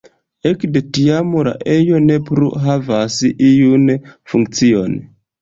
Ekde tiam la ejo ne plu havas iun funkcion.